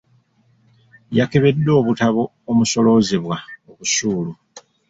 Yakebedde obutabo omusoloozebwa obusuulu.